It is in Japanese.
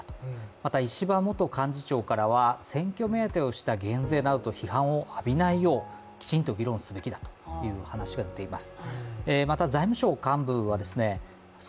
また石破元幹事長からは選挙目当ての減税などと批判を浴びないようきちんと議論すべきだという話も出ています。